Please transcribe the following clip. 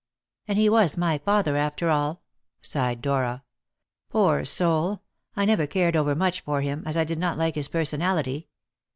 "And he was my father, after all!" sighed Dora. "Poor soul! I never cared over much for him, as I did not like his personality.